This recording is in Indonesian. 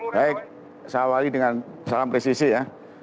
baik saya awali dengan salam presisi ya